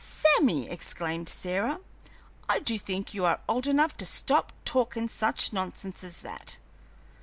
"Sammy," exclaimed Sarah, "I do think you are old enough to stop talkin' such nonsense as that.